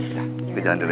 kita jalan dulu ya